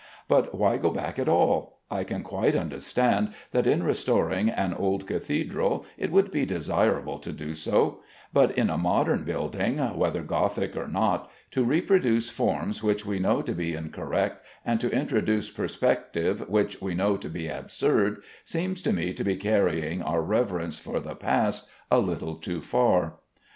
But why go back at all? I can quite understand that in restoring an old cathedral it would be desirable to do so; but in a modern building (whether gothic or not) to reproduce forms which we know to be incorrect, and to introduce perspective which we know to be absurd, seems to me to be carrying our reverence for the past a little too far.